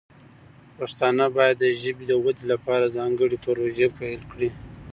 پښتانه باید د ژبې د ودې لپاره ځانګړې پروژې پیل کړي.